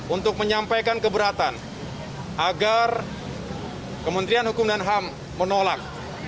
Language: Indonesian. untuk menyampaikan keberatan agar kementerian hukum dan ham menolak